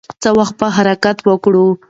څه وخت به حرکت وکړو؟